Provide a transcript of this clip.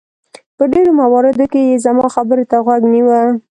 په ډېرو مواردو کې یې زما خبرې ته غوږ نیوه.